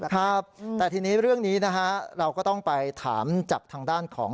ครับแต่ทีนี้เรื่องนี้นะฮะเราก็ต้องไปถามจากทางด้านของ